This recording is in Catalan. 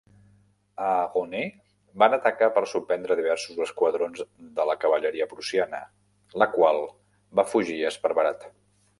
A Rosnay, van atacar per sorprendre diversos esquadrons de la cavalleria prussiana, la qual va fugir esparverat.